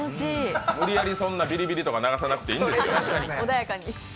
無理やりビリビリとか流さなくていいんですよ。